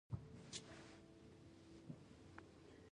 د چاربیتو لیکوونکي تر ډېره حده، بېسواد کسان دي.